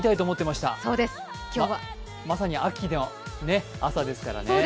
まさに秋の朝ですからね。